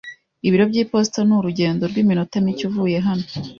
Ibiro by'iposita ni urugendo rw'iminota mike uvuye hano